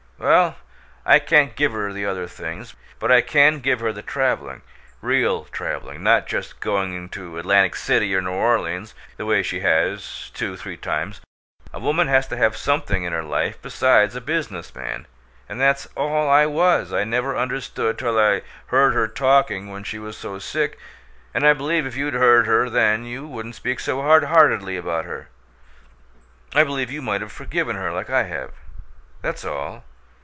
Well, I can't give her the other things, but I can give her the traveling real traveling, not just going to Atlantic City or New Orleans, the way she has, two, three times. A woman has to have something in her life besides a business man. And that's ALL I was. I never understood till I heard her talking when she was so sick, and I believe if you'd heard her then you wouldn't speak so hard heartedly about her; I believe you might have forgiven her like I have. That's all.